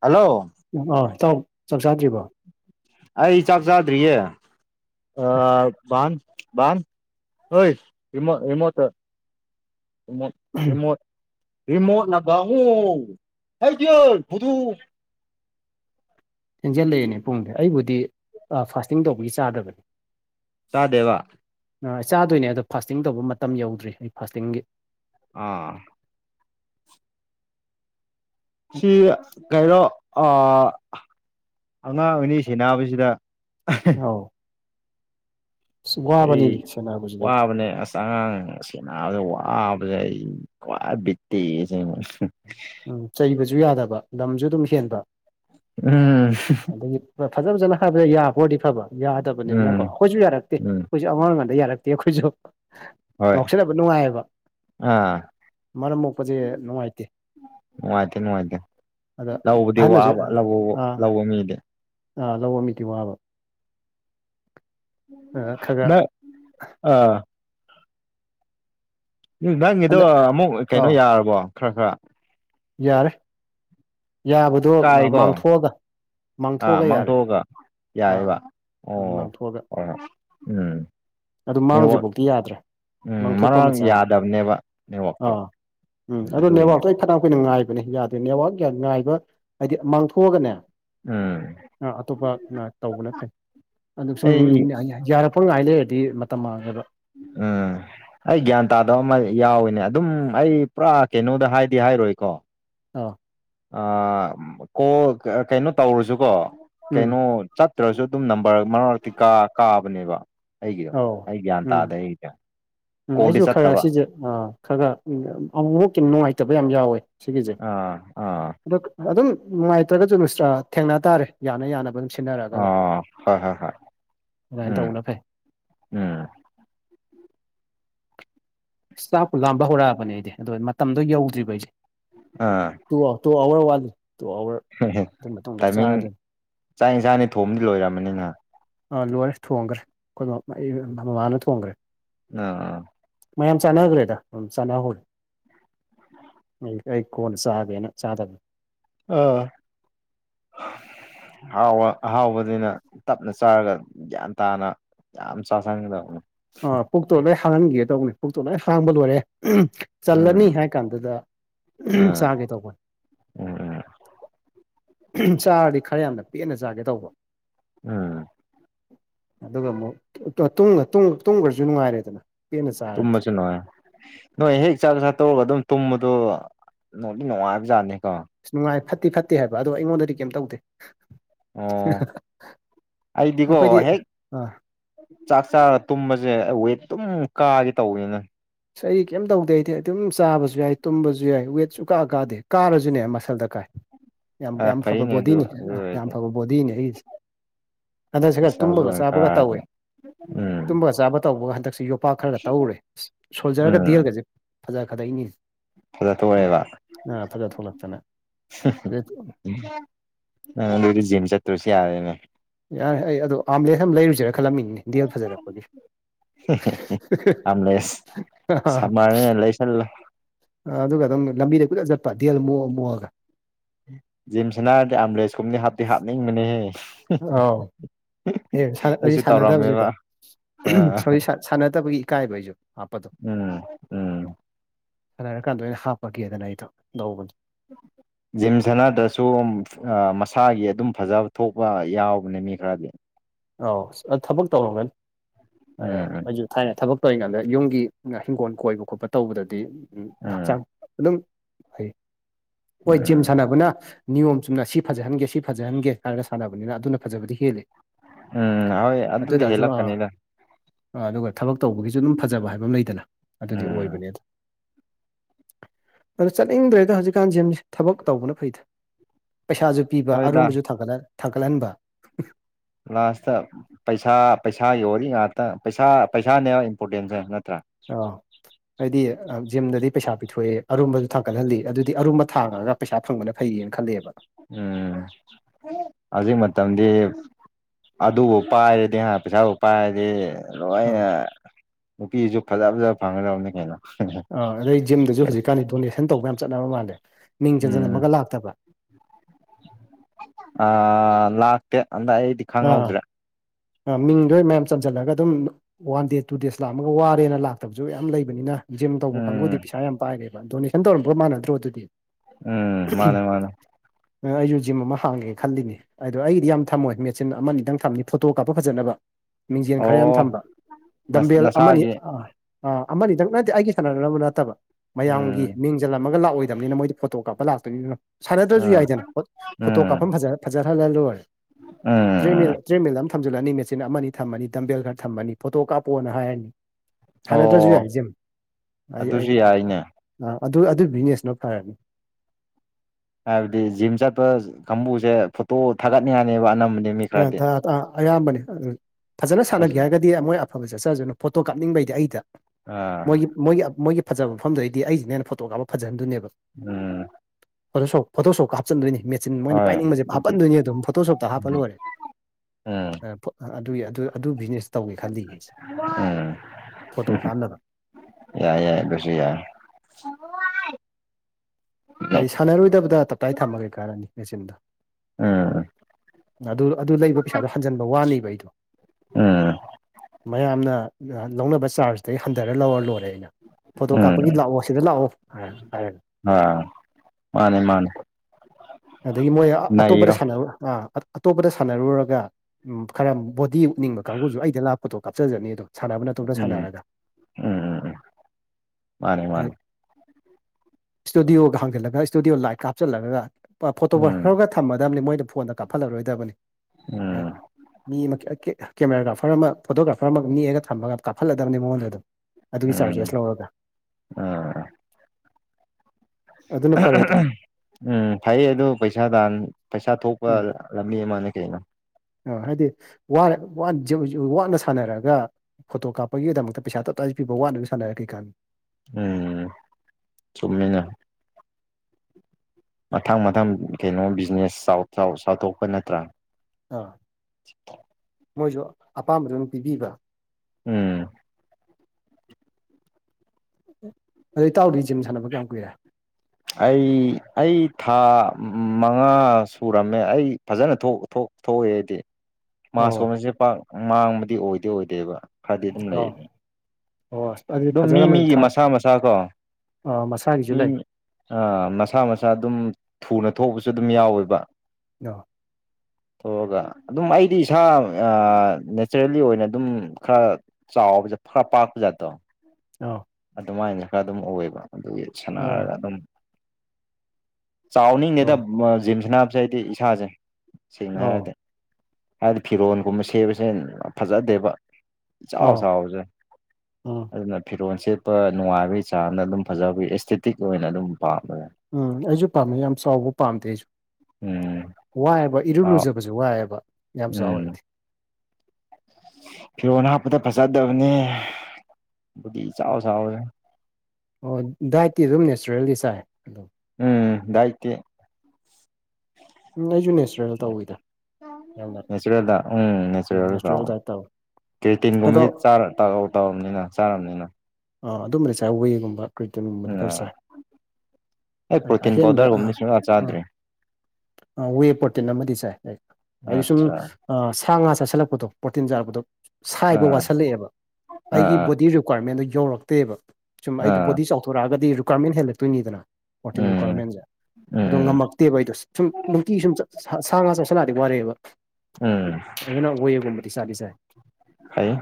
hello ꯑꯥ ꯏꯇꯥꯎ ꯆꯥꯛ ꯆꯥꯗ꯭ꯔꯤꯕꯣ ꯑꯩ ꯆꯥꯛ ꯆꯥꯗ꯭ꯔꯤꯌꯦ ꯑ ꯥ ꯑꯁ ꯍ ꯍꯃ ꯍꯃ ꯍꯃ [inaudible] ꯔꯤꯃꯣꯠ ꯅꯕ ꯍꯨ ꯍꯥꯏꯖ ꯀꯗ [unintelligible] ꯍꯦꯟꯖꯦꯜꯂꯛꯑꯦꯅꯦ ꯄꯨꯡꯗꯤ ꯑꯩꯕꯨꯗꯤ ꯐꯥꯁꯇꯤꯡ ꯇꯧꯕꯒꯤ ꯆꯥꯗꯕꯅꯤ ꯆꯥꯗꯦꯕ ꯆꯥꯗꯣꯏꯅꯦ ꯑꯗꯣ ꯐꯥꯁꯇꯤꯡ ꯇꯧꯕ ꯃꯇꯝ ꯌꯧꯗ꯭ꯔꯤ ꯑꯩ ꯐꯥꯁꯇꯤꯡꯒꯤ ꯑꯥ ꯁꯤ ꯀꯩꯅꯣ ꯑꯉꯥꯡ ꯑꯣꯏꯅꯤ ꯁꯦꯟꯅꯕꯁꯤꯗ ꯑꯥꯎ ꯑꯩ ꯋꯥꯕꯅꯤꯅꯦ ꯁꯦꯟꯅꯕꯁꯤꯗꯤ ꯋꯥ ꯃꯅꯦ ꯑꯁ ꯆꯉꯥꯡ ꯁꯦꯕꯗ ꯋꯥꯕꯁꯦ ꯑꯩ ꯈ꯭ꯋꯥꯏꯕꯤꯠꯇꯦꯁ ꯎꯝ ꯆꯩꯕꯁꯨ ꯌꯥꯗꯕ ꯂꯝꯁꯨ ꯑꯗꯨꯝ ꯍꯦꯟꯕ ꯎꯝ ꯑꯗꯒꯤ ꯐꯖ ꯐꯖꯅ ꯍꯥꯏꯕꯗ ꯌꯥꯕꯔꯗꯤ ꯐꯕ ꯌꯥꯗꯕꯅꯤꯅꯀꯣ ꯎꯝ ꯑꯩꯈꯣꯏꯁꯨ ꯌꯥꯔꯛꯇꯦ ꯎꯝ ꯑꯃꯔꯕꯗ ꯌꯥꯔꯛꯇꯦ ꯑꯩꯈꯣꯏꯁꯨ ꯍꯣꯏ ꯉꯥꯎꯁꯜꯂꯕ ꯅꯨꯡꯉꯥꯏꯑꯕ ꯑꯥ ꯃꯔꯝ ꯃꯣꯛꯄꯁꯦ ꯅꯨꯡꯉꯥꯏꯇꯦ ꯅꯨꯡꯉꯥꯏꯇꯦ ꯅꯨꯡꯉꯥꯏꯇꯦ ꯑꯗ ꯂꯧꯕꯗꯤ ꯑꯍꯟꯅꯁꯨ ꯋꯥꯕ ꯂꯧꯕ ꯂꯧꯕ ꯃꯤꯗꯤ ꯑ ꯂꯧꯧꯕ ꯃꯤꯗꯤ ꯋꯥꯕ ꯑꯗ ꯈꯔ ꯈꯔ ꯑꯥ ꯅꯪꯒꯤꯗꯣ ꯍꯟꯗꯛ ꯑꯃꯨꯛ ꯀꯩꯅꯣ ꯌꯥꯔꯕꯣ ꯈꯔ ꯈꯔ ꯌꯥꯔꯦ ꯌꯥꯕꯗꯣ ꯀꯥꯏꯀꯣ ꯃꯥꯡꯊꯣꯛꯑꯒ ꯑꯥ ꯃꯥꯡꯊꯣꯛꯑꯒ ꯑꯥ ꯌꯥꯏꯕ ꯑꯣ ꯎꯝ ꯃꯥꯡꯊꯣꯛꯑꯒ ꯍꯣꯏ ꯍꯣꯏ ꯎꯝ ꯑꯗꯨ ꯅꯦꯠꯋꯥꯛ ꯃꯥꯡꯗ꯭ꯔꯤꯐꯥꯎꯗꯤ ꯌꯥꯗ꯭ꯔꯦ ꯎꯝ ꯃꯥꯡꯊꯣꯛꯄ ꯑꯃ ꯃꯔꯛ ꯆꯪꯉꯦ ꯌꯥꯗꯕꯅꯦꯕ ꯅꯦꯠꯋꯥꯛꯇꯣ ꯑꯥ ꯎꯝ ꯑꯗꯨ ꯅꯕ ꯑꯗꯨꯒꯤꯅꯦ ꯑꯩꯈꯣꯏꯅ ꯉꯥꯏꯕꯅꯤ ꯌꯥꯗꯦ ꯅꯦꯠꯋꯥꯛ ꯉꯥꯏꯕ ꯍꯥꯏꯗꯤ ꯃꯥꯡꯊꯣꯛꯑꯒꯅꯦ ꯎꯝ ꯑꯇꯣꯞꯄ ꯇꯧꯕꯅ ꯐꯩ ꯑꯗꯨ ꯁꯨꯝ ꯑꯩ ꯌꯥꯔ ꯍꯥꯄꯪ ꯉꯥꯏ ꯂꯩꯔꯗꯤ ꯃꯇꯝ ꯃꯥꯡꯉꯦꯕ ꯑꯝ ꯑꯩ ꯒ꯭ꯌꯥꯟ ꯇꯥꯗꯕ ꯑꯃ ꯌꯥꯎꯏꯤꯅꯦ ꯑꯗꯨꯝ ꯑꯩ ꯄꯨꯔꯥ ꯀꯩꯅꯣꯗ ꯍꯥꯏꯗꯤ ꯍꯥꯏꯔꯣꯏꯀꯣ ꯑꯣ ꯀꯣ ꯀꯩꯅꯣ ꯇꯧꯔꯁꯨꯀꯣ ꯎꯝ ꯀꯩꯅꯣ ꯆꯠꯇ꯭ꯔꯁꯨ ꯑꯗꯨꯝ ꯅꯝꯕꯔ ꯃꯔꯛ ꯃꯔꯛꯇꯤ ꯀꯥ ꯀꯥꯕꯅꯦꯕ ꯑꯩꯒꯤꯗꯣ ꯑꯧ ꯑꯩ ꯒ꯭ꯌꯥꯟ ꯎꯝ ꯇꯥꯗꯦ ꯑꯩꯒꯤ ꯀ ꯎꯝ ꯑꯩꯁꯨ ꯈꯔ ꯁꯤꯁꯦ ꯈꯔ ꯈꯔ ꯑꯃꯐꯛꯀꯤ ꯅꯨꯡꯉꯥꯏꯇꯕ ꯌꯥꯝ ꯌꯥꯎꯋꯦ ꯁꯤꯒꯤꯁꯦ ꯑꯥ ꯑꯥ ꯑꯗꯣ ꯑꯗꯨꯝ ꯅꯨꯡꯉꯥꯏꯇ꯭ꯔꯒꯁꯨ ꯃꯤꯁꯇ ꯊꯦꯡꯅ ꯇꯥꯔꯦ ꯌꯥꯅ ꯌꯥꯅꯕ ꯁꯤꯟꯅꯔꯛꯗꯕ ꯑꯥ ꯍꯣꯏ ꯍꯣꯏ ꯍꯣꯏ ꯑꯗꯨꯃꯥꯏꯅ ꯎꯝ ꯇꯧꯕꯅ ꯐꯩ ꯎꯝ ꯆꯥꯛꯄꯨ ꯂꯥꯝꯕ ꯍꯧꯔꯛꯑꯕꯅꯦ ꯑꯩꯗꯤ ꯑꯗꯣ ꯃꯇꯝꯗꯣ ꯌꯧꯗ꯭ꯔꯤꯕ ꯑꯩꯁꯦ ꯑꯥ ꯇꯨ ꯇꯨ ꯑꯋꯥꯔ ꯋꯥꯂꯤ ꯇꯨ ꯑꯋꯥꯔ ꯑꯗꯨꯒꯤ ꯃꯇꯨꯡꯗ ꯇꯥꯏꯃꯤꯡ ꯆꯥꯔꯗꯣꯏꯅꯤ ꯆꯥꯛ ꯏꯟꯁꯥꯡꯅꯤ ꯊꯣꯡꯝꯗꯤ ꯂꯣꯏꯔꯝꯃꯅꯤꯅꯍ ꯑ ꯂꯣꯏꯔꯦ ꯊꯣꯡꯈ꯭ꯔꯦ ꯑꯩ ꯃꯃꯥꯅ ꯊꯣꯡꯈ꯭ꯔꯦ ꯑ ꯑ ꯃꯌꯥꯝ ꯆꯥꯟꯅꯈ꯭ꯔꯦꯗ ꯑꯗꯨꯝ ꯆꯥꯟꯅꯍꯧꯔꯦ ꯑꯩ ꯑꯩ ꯀꯣꯟꯅ ꯆꯥꯒꯦꯅ ꯆꯥꯗꯕꯅꯤ ꯑꯣ [inaudible] ꯍꯥꯎꯕ ꯑꯍꯥꯎꯕꯗꯨꯅ ꯇꯞꯅ ꯆꯥꯔꯒ ꯒ꯭ꯌꯥꯟ ꯇꯥꯅ ꯌꯥꯝ ꯁꯥꯁꯥꯒꯗꯕ ꯑ ꯄꯨꯛꯇꯣ ꯂꯣꯏ ꯍꯥꯡꯍꯟꯒꯦ ꯇꯧꯕꯅꯤ ꯄꯨꯛꯇꯣ ꯂꯣꯏ ꯍꯥꯡꯕ ꯂꯣꯏꯔꯦ ꯆꯜꯂꯅꯤ ꯎꯝ ꯍꯥꯏ ꯀꯥꯟꯗꯨꯗ ꯎꯝ ꯆꯥꯒꯦ ꯇꯧꯕꯅꯤ ꯎꯝ ꯎꯝ ꯆꯥꯔꯗꯤ ꯈꯔ ꯌꯥꯝꯅ ꯄꯦꯟꯅ ꯆꯥꯒꯦ ꯇꯧꯕ ꯎꯝ ꯑꯗꯨꯒ ꯑꯃꯨ ꯇꯨꯡꯈ꯭ꯔꯁꯨ ꯅꯨꯡꯉꯥꯏꯔꯦꯗꯅ ꯄꯦꯟꯅ ꯇꯨꯃ ꯆꯥꯔꯗꯤ ꯆꯅꯣꯦ ꯅꯣꯏ ꯍꯦꯛ ꯏꯆꯥꯥꯛ ꯆꯥꯛ ꯇꯧꯔꯒ ꯑꯗꯨꯝ ꯇꯨꯝꯕꯗꯣ ꯅꯅꯨꯡꯗꯤ ꯅꯨꯡꯉꯥꯏꯕꯖꯥꯠꯅꯤꯀꯣ ꯑ ꯅꯨꯡꯉꯥꯏ ꯐꯠꯇꯦ ꯐꯠꯇꯦ ꯍꯥꯏꯕ ꯑꯗꯣ ꯑꯩꯉꯣꯟꯗꯗꯤ ꯀꯩꯝ ꯇꯧꯗꯦ ꯑꯣ ꯑꯩꯗꯤꯀꯣ ꯑꯩꯈꯣꯏꯗꯤ ꯍꯦꯛ ꯑꯥ ꯆꯥꯛ ꯆꯥꯔ ꯇꯨꯝꯕꯁꯦ ꯋꯦꯠ ꯑꯗꯨꯝ ꯀꯥꯒꯦ ꯇꯧꯕꯅꯤꯅ ꯁ ꯑꯩ ꯀꯩꯝ ꯇꯧꯗꯦ ꯑꯩꯗꯤ ꯑꯗꯨꯝ ꯆꯥꯕꯁꯨ ꯌꯥꯏ ꯇꯨꯝꯕꯁꯨ ꯌꯥꯏ ꯋꯦꯠꯁꯨ ꯀꯥꯑ ꯀꯥꯗꯦ ꯀꯥꯔꯁꯨꯅꯦ ꯃꯁꯜꯗ ꯀꯥꯏ ꯌꯥꯝ ꯑ ꯌꯥꯝ ꯐꯕ ꯐꯩꯅꯦ ꯑꯗꯨ ꯕꯣꯗꯤꯅꯤ ꯑꯗꯨ ꯑ ꯌꯥꯝ ꯑꯣꯏꯔꯗꯤ ꯐꯕ ꯕꯣꯗꯤꯅꯤ ꯑꯩꯁꯦ ꯍꯟꯗꯛꯁꯤ ꯈꯔ ꯃꯁꯜꯗꯨ ꯇꯨꯝꯕꯒ ꯑꯣꯏꯅ ꯆꯥꯕꯒ ꯀꯥꯔꯗꯤ ꯇꯧꯏꯤ ꯎꯝ ꯇꯨꯝꯕꯒ ꯆꯥꯕ ꯇꯧꯕꯒ ꯍꯟꯗꯛꯁꯤ ꯌꯣꯛ ꯂꯨꯄꯥ ꯈꯔꯒ ꯇꯧꯔꯦ ꯑꯁ ꯁꯣꯜꯖꯔꯒ ꯎꯝ ꯗꯦꯜꯒꯁꯦ ꯐꯖ ꯈ꯭ꯔꯗ ꯏꯅꯤ ꯍꯂꯣ ꯐꯖꯊꯣꯛꯑꯦꯕ ꯊꯒ ꯐꯂꯥꯛꯛꯇꯅꯦ ꯑꯗꯨꯏꯗꯤ ꯖꯤꯝ ꯆꯠꯇ꯭ꯔꯨꯁꯨ ꯌꯥꯔꯦꯅꯦ ꯌꯥꯔꯦ ꯑꯩ ꯑꯗꯣ ꯑꯥꯝꯂꯦꯠ ꯑꯃ ꯂꯩꯔꯨꯁꯤꯦꯔꯥ ꯈꯜꯂꯝꯃꯤꯅꯤ ꯗꯦꯜ ꯐꯖꯔꯛꯄꯒꯤ ꯌꯥꯝ ꯂꯩꯁ ꯁꯝꯃꯔꯅ ꯂꯩꯁꯜꯂꯣ ꯑꯗꯨꯒ ꯑꯗꯨꯝ ꯂꯝꯕꯤꯗ ꯖꯅ ꯆꯠꯄ ꯗꯦꯜ ꯃꯣꯑ ꯃꯣꯑꯒ ꯖꯤꯝꯁꯤꯅ ꯍꯥꯏꯔꯗꯤ ꯑ꯭ꯔꯦꯁ ꯀꯨꯝꯕꯗꯤ ꯍꯥꯞꯇꯤ ꯍꯥꯞꯅꯤꯡꯕꯅꯦꯍꯦ ꯑꯥꯎ ꯍꯌꯦ ꯑꯩꯁꯨ ꯑꯩ ꯁꯥꯟꯅꯗꯕꯁꯤꯗ ꯇꯧꯔꯝꯃꯦꯕ ꯑ ꯁꫭꯔꯤ ꯁꯥ ꯁꯥꯟꯅꯗꯕꯒꯤ ꯏꯀꯥꯏꯕ ꯑꯩꯁꯨ ꯍꯥꯞꯄꯗꯣ ꯎꯝ ꯎꯝ ꯁ ꯍꯥꯏꯔꯀꯥꯟꯗꯩꯅ ꯍꯥꯞꯄꯒꯦꯗꯅ ꯑꯩꯗꯣ ꯂꯧꯕꯅꯦ ꯖꯤꯝ ꯁꯥꯟꯅꯗ꯭ꯔꯁꯨ ꯃꯁꯥꯒꯤ ꯑꯗꯨꯝ ꯐꯖꯕ ꯊꯣꯛꯄ ꯌꯥꯎꯕꯅꯦ ꯃꯤ ꯈꯔꯗꯤ ꯑꯧ ꯊꯕꯛ ꯇꯧꯔꯝꯒꯅꯤ ꯑ ꯎꯝ ꯑꯩ ꯊꯥꯏꯅ ꯊꯕꯛ ꯇꯧꯔꯤꯀꯥꯟꯗ ꯌꯨꯝꯒꯤ ꯍꯤꯡꯒꯣꯜ ꯀꯣꯏꯕ ꯈꯣꯠꯄ ꯇꯧꯕꯗꯗꯤ ꯎ ꯎꯝ ꯍꯛꯆꯥꯡ ꯑꯗꯨꯝ ꯐꯩ ꯍꯣꯏ ꯖꯤꯝ ꯎꯝ ꯁꯥꯟꯅꯕꯅ ꯅꯤꯌꯣꯝ ꯆꯨꯝꯅ ꯁꯤ ꯐꯖꯍꯟꯒꯦ ꯁꯤ ꯐꯖꯍꯟꯒꯦ ꯍꯥꯏꯔꯅ ꯁꯥꯟꯅꯕꯅꯤꯅ ꯑꯗꯨꯅ ꯐꯖꯕꯗꯤ ꯍꯦꯜꯂꯤ ꯎꯝ ꯍꯦ ꯑꯗꯨ ꯑꯣꯏꯇꯥꯔꯁꯨ ꯑꯥ ꯑꯥ ꯑꯗꯨꯒ ꯊꯕꯛ ꯇꯧꯕꯒꯤꯁꯨ ꯑꯗꯨꯝ ꯐꯖꯕ ꯍꯥꯏꯕ ꯑꯃ ꯂꯩꯗꯅ ꯑꯗꯨꯗꯤ ꯎꯝ ꯑꯣꯏꯕꯅꯤ ꯑꯗꯨ ꯑꯗꯣ ꯆꯠꯅꯤꯡꯗ꯭ꯔꯦꯗ ꯍꯧꯖꯤꯛꯀꯥꯟꯁ ꯊꯕꯛ ꯇꯧꯕꯅ ꯐꯩꯗ ꯄꯩꯁꯥꯁꯨ ꯄꯤꯕ ꯍꯣꯏꯗ ꯑꯔꯨꯝꯕꯁꯨ ꯊꯥꯡꯠ ꯊꯥꯡꯒꯠꯍꯟꯕ ꯂꯥꯁꯇ ꯄꯩꯁꯥ ꯄꯩꯁꯥ ꯌꯣꯔꯤ ꯉꯥꯛꯇ ꯄꯩꯁꯥ ꯄꯩꯁꯥꯅꯦꯕ ꯏꯝꯄꯣꯔꯇꯦꯟꯁꯦ ꯅꯠꯇ꯭ꯔꯥ ꯑꯥ ꯍꯥꯏꯗꯤ ꯖꯤꯝꯗꯗꯤ ꯄꯩꯁꯥ ꯄꯤꯊꯣꯛꯑꯦ ꯑꯔꯨꯝꯕꯗꯨ ꯊꯥꯡꯒꯠꯍꯜꯂꯤ ꯑꯗꯨꯗꯤ ꯑꯔꯨꯝꯕ ꯊꯥꯡꯉꯒ ꯄꯩꯁꯥ ꯐꯪꯕꯅ ꯐꯩꯌꯦꯅ ꯈꯜꯂꯦꯕ ꯎꯝ ꯍꯧꯖꯤꯛ ꯃꯝꯗꯤ ꯑꯗꯨꯕꯨ ꯄꯥꯏꯔꯗꯤ ꯍꯥꯟ ꯄꯩꯁꯥꯕꯨ ꯄꯥꯏꯔꯗꯤ ꯑꯧ ꯂꯣꯏꯅ ꯅꯨꯄꯤꯁꯨ ꯐꯖ ꯐꯖꯕ ꯐꯪꯒꯗꯕꯅꯤ ꯀꯩꯅꯣ ꯑꯥ ꯑꯗꯩ ꯖꯤꯝꯗꯁꯨ ꯍꯧꯖꯤꯛꯀꯥꯟꯗꯤ ꯗꯣꯅꯦꯁꯟ ꯇꯧꯕ ꯌꯥꯝ ꯆꯠꯅꯕ ꯃꯥꯜꯂꯦ ꯃꯤꯡ ꯆꯟꯁꯤꯟꯂꯝꯝꯃꯒ ꯂꯥꯛꯇꯕꯥ ꯑ ꯂꯥꯛꯇꯦ ꯑꯗ ꯑꯩꯗꯤ ꯈꯪꯍꯧꯗ꯭ꯔꯦ ꯃꯤꯡꯗꯣꯏ ꯃꯌꯥꯝ ꯆꯟꯁꯤꯜꯂꯒ ꯑꯗꯨꯝ ꯋꯥꯟ ꯗꯦ ꯇꯨ ꯗꯦꯖ ꯂꯥꯛꯑꯃꯒ ꯋꯥꯔꯦꯅ ꯂꯥꯛꯇꯕꯁꯨ ꯌꯥꯝ ꯂꯩꯕꯅꯤꯅ ꯖꯤꯝ ꯇꯧꯕ ꯀꯥꯡꯕꯨꯗꯤ ꯎꯝ ꯄꯩꯁꯥ ꯌꯥꯝ ꯄꯥꯏꯔꯦꯕ ꯗꯣꯅꯦꯁꯟ ꯇꯧꯔꯝꯕꯒ ꯃꯥꯟꯅꯗ꯭ꯔꯣ ꯑꯗꯨꯗꯤ ꯎꯝ ꯃꯥꯅꯦ ꯃꯥꯅꯦ ꯅꯪ ꯑꯩꯁꯨ ꯖꯤꯝ ꯑꯃ ꯍꯥꯡꯒꯦ ꯈꯜꯂꯤꯅꯤ ꯑꯗꯣ ꯑꯩꯗꯤ ꯌꯥꯝ ꯊꯝꯃꯣꯏ ꯃꯦꯆꯤꯟ ꯑꯃ ꯑꯅꯤꯗꯪ ꯊꯝꯅꯤ ꯐꯨ ꯐꯇꯣ ꯀꯥꯞꯄ ꯐꯖꯅꯕ ꯃꯤꯡꯖꯦꯜ ꯈꯔ ꯌꯥꯝ ꯑꯣ ꯊꯝꯕ ꯂꯝꯝꯕꯦꯜ ꯑꯃꯅꯤ ꯅꯁꯥꯒꯤ ꯑ ꯑ ꯑꯃꯅꯤꯗꯪ ꯅꯠꯇꯦ ꯑꯩꯒꯤ ꯁꯥꯟꯅꯅꯕ ꯅꯠꯇꯕ ꯎꯝ ꯃꯌꯥꯝꯒꯤ ꯃꯤꯡ ꯐꯁꯤꯜꯂꯝꯒ ꯂꯥꯛꯑꯣꯏꯗꯕꯅꯤꯅ ꯃꯣꯏꯗꯤ ꯐꯣꯇꯣ ꯀꯥꯞꯄ ꯂꯥꯛꯇꯣꯏꯅꯤꯅ ꯁꯥꯟꯅꯗ꯭ꯔꯁꯨ ꯎꯝ ꯌꯥꯏꯗꯅ ꯍꯣ ꯐꯣꯇꯣ ꯎꯝ ꯀꯥꯞꯐꯝ ꯐꯖꯅ ꯐꯖ ꯍꯅ ꯂꯣꯏꯔꯦ ꯇ꯭ꯔꯦꯃꯤꯜ ꯎꯝ ꯇ꯭ꯔꯦꯃꯤꯜ ꯑꯃ ꯊꯝꯖꯤꯜꯂꯅꯤ ꯃꯦꯆꯤꯟ ꯑꯃꯅꯤ ꯊꯝꯃꯅꯤ ꯗꯝꯕꯦꯜ ꯈꯔ ꯊꯝꯃꯅꯤ ꯐꯣꯇꯣ ꯀꯥꯞꯄꯣꯅ ꯍꯥꯏꯔꯅꯤ ꯊꯥꯅꯗ꯭ꯔꯁꯨ ꯑꯣ ꯌꯥꯏꯁꯤꯝ ꯑꯩ ꯑꯩ ꯑꯗꯨꯁꯨ ꯌꯥꯏꯅꯦ ꯑꯗꯨ ꯑꯗꯨ ꯕꯤꯖꯤꯅꯦꯁꯅ ꯐꯔꯅꯤ ꯍꯥꯏꯕꯗꯤ ꯖꯤꯝ ꯆꯠꯄ ꯀꯥꯡꯕꯨꯁꯦ ꯐꯣꯇꯣ ꯊꯥꯒꯠꯅꯤꯡꯉꯅꯦꯕ ꯑꯅꯝꯕꯅ ꯑ ꯑꯌꯥꯝꯕꯅꯦ ꯐꯖꯅ ꯑꯩꯁꯨ ꯁꯥꯟꯅꯒꯦ ꯍꯥꯏꯔꯒꯗꯤ ꯃꯣꯏ ꯑꯐꯕ ꯆꯠꯆꯔꯗꯨꯅ ꯐꯣꯇꯣ ꯀꯥꯞꯅꯤꯡꯕꯩꯗꯤ ꯑꯩꯗ ꯑꯥ ꯃꯣꯏꯒꯤ ꯃꯣꯏꯒꯤ ꯃꯣꯏꯒꯤ ꯐꯖꯕ ꯃꯐꯝꯗꯩꯗꯤ ꯑꯩꯁꯤꯦ ꯍꯅ ꯐꯣ ꯀꯥꯞ ꯐꯖꯍꯟꯗꯣꯏꯅꯦꯕ ꯎꯝ ꯐꯣꯇꯣꯁꯣꯞ ꯐꯣꯇꯣꯁꯣꯞꯀ ꯍꯥꯞꯆꯤꯟꯗꯣꯏꯅꯦ ꯃꯦꯆꯤꯟ ꯃꯣꯏꯅ ꯍꯣꯏ ꯄꯥꯏꯅꯤꯡꯕꯖꯦ ꯑꯗꯨꯗꯤ ꯍꯥꯞꯄꯟꯗꯣꯏꯅꯦ ꯑꯗꯨꯝ ꯐꯣꯇꯣꯁꯣꯞꯇ ꯍꯥꯞꯄ ꯎꯝ ꯂꯣꯏꯔꯦ ꯎꯝ [unintelligible] ꯑꯗꯨꯒꯤ ꯑꯗꯨ ꯕꯤꯖꯤꯅꯦꯁ ꯇꯧꯒꯦ ꯈꯜꯂꯤꯌꯦ ꯎꯝ ꯐꯣꯇꯣ ꯀꯥꯞꯅꯕ ꯌꯥꯏ ꯌꯥꯏ ꯑꯗꯨꯁꯨ ꯌꯥꯏ ꯍꯋꯥꯏ ꯍꯥꯏꯗꯤ ꯁꯥꯟꯅꯔꯣꯏꯗꯕꯗ ꯇꯞꯇꯥꯏ ꯊꯝꯃ ꯀꯩ ꯀꯥꯟꯅꯅꯤ ꯃꯦꯆꯤꯟꯗꯣ ꯎꯝ ꯑꯗꯨ ꯑꯗꯨ ꯂꯩꯕ ꯄꯩꯁꯥꯗꯣ ꯍꯟꯖꯟꯕ ꯋꯥꯅꯦꯕ ꯑꯩꯗꯣ ꯎꯝ ꯃꯌꯥꯝꯅ ꯂꯧꯅꯕ ꯆꯥꯔꯖꯇꯒꯤ ꯍꯟꯊꯔ ꯂꯧꯔ ꯂꯣꯏꯔꯦ ꯑꯩꯅ ꯐꯣꯇꯣ ꯎꯝ ꯀꯥꯞꯄꯒꯤ ꯂꯥꯛꯑꯣ ꯁꯤꯗ ꯂꯥꯛꯑꯣ ꯍꯥꯏ ꯍꯥꯏꯔꯦ ꯑꯥ ꯃꯥꯅꯦ ꯃꯥꯅꯦ ꯑꯗꯒꯤ ꯃꯣꯏ ꯑꯇꯣꯞꯄꯗ ꯅꯩꯔꯣ ꯁꯥꯟꯅꯔꯨ ꯑ ꯑꯇꯣꯞꯄꯗ ꯁꯥꯟꯅꯔꯨꯔꯒ ꯎꯝ ꯈꯔ ꯕꯣꯗꯤ ꯎꯠꯅꯤꯡꯕ ꯀꯥꯡꯕꯨꯁꯨ ꯑꯩꯗ ꯂꯥꯛꯑ ꯐꯣꯇꯣ ꯀꯥꯞꯆꯖꯔꯅꯤ ꯑꯗꯨꯝ ꯁꯥꯟꯅ__ ꯎꯝ ꯎꯝ ꯎꯝ ꯎꯝ ꯃꯥꯅꯦ ꯃꯥꯅꯦ ꯏꯁꯇꯗꯤꯑꯣꯒ ꯍꯥꯡꯖꯤꯜꯂꯒ ꯏꯁꯇꯨꯗꯤꯑꯣ ꯂꯥꯏꯠꯀ ꯍꯥꯞꯁꯤꯜꯂꯒꯒ ꯄꯨꯔꯥ ꯎꯝ ꯐꯣꯇꯣꯒ꯭ꯔꯥꯐꯔꯒ ꯊꯝꯃꯗꯕꯅꯦ ꯃꯣꯏꯗ ꯐꯣꯟꯗ ꯀꯥꯞꯐꯜꯂꯔꯣꯏꯗꯕꯅꯤ ꯎꯝ ꯃꯤ ꯑꯃꯒꯤ [unintelligible] ꯀꯦꯃꯦꯔꯥꯒ꯭ꯔꯥꯐꯔ ꯑꯃ ꯐꯣꯇꯣꯒ꯭ꯔꯥꯐꯔ ꯑꯃꯒ ꯅꯦꯛꯑꯒ ꯊꯝꯃꯒ ꯀꯥꯞꯐꯜꯂꯗꯕꯅꯤ ꯃꯉꯣꯟꯗ ꯑꯗꯨꯝ ꯑꯗꯨꯒꯤ ꯎꯝ ꯆꯥꯔꯖꯦꯁ ꯂꯧꯔꯒ ꯑꯥ ꯑꯗꯨꯅ ꯐꯔꯣꯏꯗ꯭ꯔꯣ ꯎꯝ ꯐꯩꯌꯦ ꯑꯗꯨ ꯄꯩꯁꯥ ꯇꯥꯟ__ ꯄꯩꯁꯥ ꯊꯣꯛꯄ ꯎꯝ ꯂꯝꯕꯤ ꯑꯃꯅꯦ ꯀꯩꯅꯣ ꯑ ꯍꯥꯏꯗꯤ ꯋꯥꯔ [unintelligible] ꯋꯥꯠꯅ ꯁꯥꯟꯅꯔꯒ ꯐꯣꯇꯣ ꯀꯥꯞꯄꯒꯤꯗꯛꯇ ꯄꯩꯁꯥ ꯇꯞ ꯇꯥꯏꯗꯤ ꯄꯤꯕ ꯋꯥꯗꯕꯤ ꯁꯥꯟꯅꯔ ꯀꯩꯀꯥꯅꯅꯤ ꯎꯝ ꯆꯨꯝꯃꯦꯅ ꯃꯊꯪ ꯃꯊꯪ ꯀꯩꯅꯣ ꯕꯤꯖꯤꯅꯦꯁ ꯆꯥꯎ ꯆꯥꯎ ꯆꯥꯎꯊꯣꯛꯄ ꯅꯠꯇ꯭ꯔꯥ ꯑꯥ ꯃꯣꯏꯁꯨ ꯑꯄꯥꯝꯕꯗꯣ ꯑꯗꯨꯝ ꯄꯤꯕꯤꯕ ꯎꯝ ꯑꯗꯣ ꯏꯇꯥꯎꯗꯤ ꯖꯤꯝ ꯁꯥꯟꯅꯕ ꯀꯌꯥꯝ ꯀꯨꯏꯔꯦ ꯑꯩ ꯑꯩ ꯊꯥ ꯃꯉꯥ ꯁꯨꯔꯝꯃꯦ ꯑꯩ ꯐꯖꯅ ꯊꯣꯛ ꯊꯣꯛ ꯊꯣꯛꯑꯦ ꯑꯩꯗꯤ [inaudible] ꯃꯥꯁ ꯍꯣꯡꯉꯤꯖꯦ ꯄꯥꯛ ꯃꯥꯡꯕꯗꯤ ꯑꯣꯏꯗꯤ ꯑꯣꯏꯗꯦꯕ ꯈꯔꯗꯤ ꯑꯗꯨꯝ ꯑꯣ ꯂꯩꯔꯤꯅꯦ [unintelligible] ꯑꯗꯨꯝ ꯃꯤ ꯐꯖꯔꯝꯃꯅꯤ ꯃꯤꯒꯤ ꯊꯥ ꯃꯁꯥ ꯃꯁꯥ ꯀꯣ ꯑ ꯃꯁꯥꯒꯤꯁꯨ ꯃꯤ ꯂꯩ ꯃꯤ ꯑꯥ ꯃꯁꯥ ꯃꯁꯥ ꯑꯗꯨꯝ ꯊꯨꯅ ꯊꯣꯛꯄꯁꯨ ꯑꯗꯨꯝ ꯌꯥꯎꯋꯦꯕ [unintelligible] ꯊꯣꯛꯑꯒ ꯑꯗꯨꯝ ꯑꯩꯗꯤ ꯏꯁꯥ ꯑꯥ ꯅꯦꯆꯔꯦꯜꯂꯤ ꯑꯣꯏꯅ ꯑꯗꯨꯝ ꯈꯔ ꯆꯥꯎꯕꯥꯖꯦ ꯐꯔ ꯄꯥꯛꯄ ꯖꯥꯠꯇꯣ ꯑꯣ ꯑꯗꯨꯃꯥꯏꯅ ꯈꯔ ꯑꯗꯨꯝ ꯑꯣꯏꯌꯦꯕ ꯑꯗꯨꯒꯤ ꯑꯣ ꯁꯅꯔ ꯑꯗꯨꯝ ꯆꯥꯎꯅꯤꯡꯗꯦꯗ ꯑꯣ ꯃ ꯖꯤꯝꯁꯥꯅꯕꯁꯦ ꯍꯥꯏꯗꯤ ꯏꯁꯥꯁꯦ ꯁꯦꯡꯅ ꯑꯧ ꯍꯥꯏꯔꯗꯤ ꯍꯥꯏꯗꯤ ꯐꯤꯔꯣꯜꯒꯨꯝꯕ ꯁꯦꯕꯁꯦꯟ ꯐꯖꯗꯦꯕ ꯏꯆꯥꯎ ꯑꯧ ꯆꯥꯎꯕꯁꯦ ꯎꯝ ꯑꯗꯨꯅ ꯐꯤꯔꯣꯟ ꯁꯦꯠ__ ꯄ ꯅꯨꯡꯉꯥꯏꯕꯩ ꯆꯥꯡꯗ ꯑꯗꯨꯝ ꯐꯖꯕꯒꯤ ꯑꯦꯁꯊꯦꯇꯤꯛ ꯑꯣꯏꯅ ꯑꯗꯨꯝ ꯄꯥꯝꯃꯦ ꯎꯝ ꯑꯩꯁꯨ ꯄꯥꯝꯃꯦ ꯌꯥꯝ ꯆꯥꯎꯕ ꯄꯥꯝꯗꯦ ꯑꯩꯁꯨ ꯎꯝ ꯋꯥꯏꯑꯦꯕ ꯏꯔꯨꯝ ꯑꯥ ꯂꯨꯖꯕꯁꯨ ꯋꯥꯏꯑꯦꯕ ꯌꯥꯝ ꯎꯝ ꯆꯥꯎꯔꯗꯤ ꯐꯤꯔꯣꯟ ꯍꯥꯞꯄꯗ ꯐꯖꯗꯕꯅꯦ ꯕꯨꯗꯤ ꯏꯆꯥꯎ ꯆꯥꯎꯔꯒ ꯑꯣ ꯗꯥꯏꯠꯇꯤ ꯑꯗꯨꯝ ꯅꯦꯆꯔꯦꯂꯤ ꯆꯥꯏ ꯑꯗꯨꯝ ꯎꯝ ꯗꯥꯏꯠꯇꯤ ꯎꯝ ꯑꯩꯁꯨ ꯅꯦꯆꯔꯦꯜ ꯇꯧꯋꯤꯗ ꯌꯥꯝꯅ ꯅꯦꯆꯔꯦꯜꯗ ꯎꯝ ꯎꯝ ꯅꯦꯆꯔꯦꯜ ꯗꯥꯏꯠ ꯇꯧꯋꯤ ꯑꯗꯣ ꯀꯔꯤꯇꯒꯨꯝꯕꯤ ꯆ ꯇ ꯇꯧꯔꯕꯝꯅꯤꯅ ꯆꯥꯔꯕꯅꯤꯅ ꯑ ꯑꯗꯨꯝꯕꯗꯤ ꯁꯥꯏ ꯋꯦꯒꯨꯝꯕ ꯀ꯭ꯔꯤꯇꯟꯒꯨꯝꯕꯗꯤ ꯎꯝ ꯈꯔ ꯁꯥꯏ ꯑꯩ ꯄ꯭ꯔꯣꯇꯤꯟ ꯑꯍꯦꯟꯗ ꯑꯥ ꯄꯥꯎꯗꯔꯒꯨꯝꯕꯗꯤ ꯁꯨꯡꯆꯥ ꯑꯥ ꯆꯥꯗ꯭ꯔꯤ ꯋꯦ ꯄꯣꯔꯇꯤꯟ ꯑꯃꯗꯤ ꯆꯥꯏ ꯑꯩ ꯍꯥꯏꯗꯤ ꯁꯨꯝ ꯑꯠꯆꯥ ꯁꯥ ꯉꯥ ꯆꯥꯁꯤꯜꯂꯛꯄꯗꯣ ꯄ꯭ꯔꯣꯇꯤꯟ ꯆꯥꯔꯛꯄꯗꯣ ꯁꯥꯏꯕ ꯑꯥ ꯋꯥꯠꯁꯜꯂꯛꯑꯦꯕ ꯑꯩꯒꯤ ꯑꯥ ꯕꯣꯗꯤ ꯔꯤꯀ꯭ꯋꯥꯏꯔꯃꯦꯟꯗꯨ ꯌꯧꯔꯛꯇꯦꯕ ꯁꯨꯝ ꯑꯩ ꯑꯗꯨ ꯑꯥ ꯕꯣꯗꯤ ꯆꯥꯎꯊꯣꯔꯛꯑꯒꯗꯤ ꯔꯤꯀ꯭ꯏꯔꯃꯦꯟ ꯍꯦꯜꯂꯛꯇꯣꯏꯅꯤꯗꯅ ꯋꯥꯔꯇꯤꯟ ꯎꯝ ꯔꯤꯀ꯭ꯋꯥꯏꯔꯃꯦꯟꯁꯦ ꯎꯝ ꯑꯗꯣ ꯎꯝ ꯉꯝꯃꯛꯇꯦꯕ ꯑꯩꯗꯣ ꯁꯨꯝ ꯅꯨꯡꯇꯤ ꯁꯨꯝ ꯁꯥ ꯉꯥ ꯆꯠꯁꯂꯗꯤ ꯋꯥꯔꯦꯕ ꯎꯝ ꯑꯗꯨꯅ ꯋꯦꯒꯨꯝꯕꯗꯤ ꯆꯥꯗꯤꯁꯥꯏ ꯑꯩꯌꯦ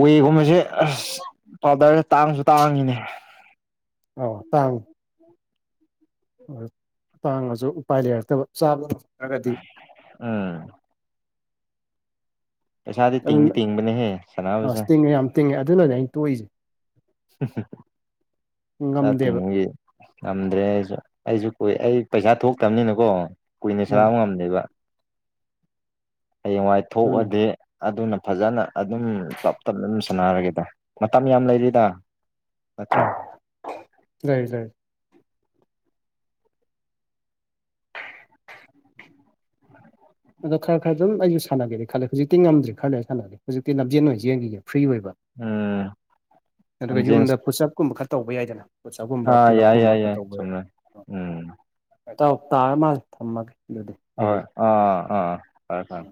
ꯋꯦꯒꯨꯝꯕꯁꯦ ꯑꯁ ꯄꯥꯎꯗꯔꯁ ꯇꯥꯡꯁꯨ ꯇꯥꯡꯉꯤꯅꯦ ꯑ ꯇꯥꯡ ꯇꯥꯡꯉꯁꯨ ꯎꯄꯥꯏ ꯂꯩꯔꯛꯇꯕ ꯆꯥꯕ ꯉꯝ꯭ꯔꯒꯗꯤ ꯑꯥ ꯄꯩꯁꯥꯗꯤ ꯑꯗꯨꯝ ꯇꯤꯡꯗꯤ ꯇꯤꯡꯕꯅꯦꯍꯦ ꯑꯁ ꯁꯥꯟꯅꯕꯁꯦ ꯇꯤꯡꯉꯦ ꯌꯥꯝ ꯇꯤꯡꯉꯦ ꯑꯗꯨꯅꯅꯦ ꯑꯩꯅ ꯇꯣꯛꯏꯁꯦ ꯁꯥꯥꯄꯤꯦ ꯉꯝꯗꯦꯕ ꯉꯝꯗ꯭ꯔꯦ ꯑꯩꯁꯨ ꯑꯩꯁꯨ ꯀꯨꯏ ꯑꯩ ꯄꯩꯁꯥ ꯊꯣꯛꯇꯕꯅꯤꯅꯀꯣ ꯀꯨꯏꯅ ꯎꯝ ꯁꯥꯕ ꯉꯝꯗꯦꯕ ꯍꯌꯦꯡꯋꯥꯏ ꯑꯗꯨꯅꯤ ꯊꯣꯛꯑꯗꯤ ꯑꯗꯨꯅ ꯐꯖꯅ ꯑꯗꯨꯝ ꯇꯞ ꯇꯞꯅ ꯑꯗꯨꯝ ꯁꯥꯟꯅꯔꯒꯦꯗ ꯃꯇꯝ ꯌꯥꯝ ꯂꯩꯔꯤꯗ ꯅꯠꯇ꯭ꯔ ꯂꯩꯏ ꯂꯩꯏ ꯑꯗꯣ ꯈꯔ ꯈꯔ ꯑꯗꯨꯝ ꯑꯩꯁꯨ ꯁꯥꯟꯅꯒꯦꯅꯤ ꯈꯜꯂꯦ ꯍꯧꯖꯤꯛꯇꯤ ꯉꯝꯗ꯭ꯔꯤ ꯈꯔ ꯑꯩ ꯁꯥꯟꯅꯒꯦꯖꯤꯛꯇꯤ ꯂꯝꯖꯦꯟ ꯑꯣꯏꯅ ꯌꯦꯦꯟꯒꯤꯈꯤꯒꯦ ꯐ꯭ꯔꯤ ꯑꯣꯏꯕ ꯎꯝ ꯑꯗꯨꯒ ꯂꯝꯖꯦꯟ ꯌꯨꯝꯗ ꯐꯠꯁꯞꯀꯨꯝꯕ ꯈꯔ ꯇꯧꯕ ꯌꯥꯏꯗꯅ ꯑ ꯄꯨꯁꯑꯞꯀꯨꯝꯕ ꯌꯥꯏ ꯄꯨꯜꯂꯞꯀꯨꯝꯕ ꯌꯥꯏ ꯈꯔ ꯌꯥꯏ ꯇꯧꯕ ꯆꯜꯦ ꯎꯝ ꯇꯥꯔ ꯃꯥꯜꯂꯦ ꯊꯝꯃꯒꯦ ꯑꯗꯨꯗꯤ ꯑꯩꯁꯨ ꯍꯣꯏ ꯑꯥ ꯑꯥ ꯐꯔꯦ ꯐꯔꯦ